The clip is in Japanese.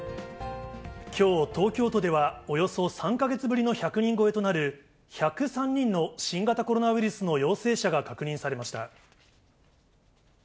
きょう、東京都ではおよそ３か月ぶりの１００人超えとなる、１０３人の新型コロナウイルスの陽性者が確認されました。